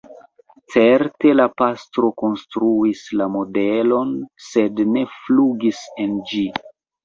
Certe la pastro konstruis la modelon, sed ne flugis en ĝi.